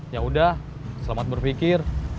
yaudah selamat berpikir